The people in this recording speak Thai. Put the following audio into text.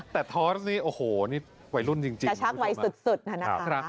แต่ทอสนี่โอ้โหนี่วัยรุ่นจริงรู้ชักไว้สุดนะคะ